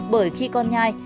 bởi khi con nhai